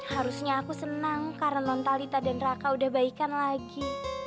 harusnya aku senang karena non talita dan raka udah baikan lagi